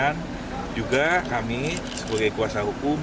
dan juga kami sebagai kuasa hukum